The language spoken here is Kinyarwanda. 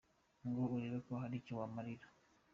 Ngo urebe ko hari icyo waramira.